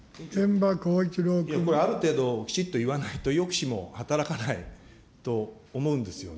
いや、これある程度きちっと言わないと、抑止も働かないと思うんですよね。